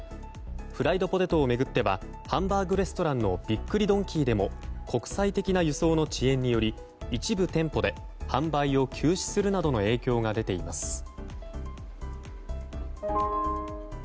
フライドポテトを巡ってはハンバーグレストランのびっくりドンキーでも国際的な輸送の遅延により一部店舗で販売を休止するなどの影響が出ています。